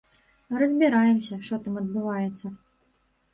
Разбіраемся, што там адбываецца.